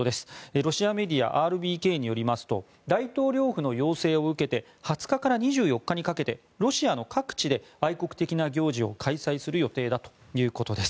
ロシアメディアＲＢＫによりますと大統領府の要請を受けて２０日から２４日にかけてロシアの各地で愛国的な行事を開催する予定だということです。